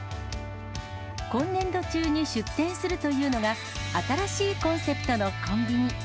今年度中に出店するというのが、新しいコンセプトのコンビニ。